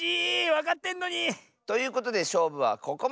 わかってんのに！ということでしょうぶはここまで！